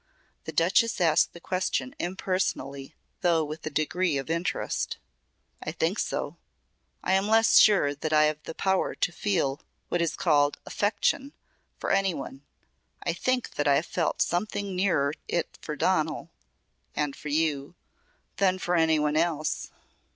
The Duchess asked the question impersonally though with a degree of interest. "I think so. I am less sure that I have the power to feel what is called 'affection' for any one. I think that I have felt something nearer it for Donal and for you than for any one else.